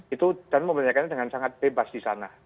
itu dan membedakannya dengan sangat bebas di sana